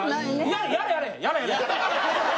やれやれやれやれ。